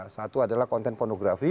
satu adalah konten pornografi